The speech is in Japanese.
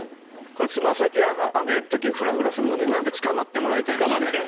これはつま先を上げる時ふらふらするのでつかまってもらいたいんですね。